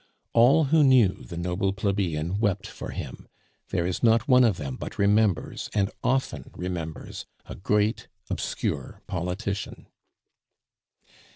All who knew the noble plebeian wept for him; there is not one of them but remembers, and often remembers, a great obscure politician.